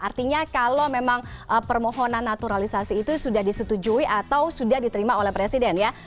artinya kalau memang permohonan naturalisasi itu sudah disetujui atau sudah diterima oleh presiden ya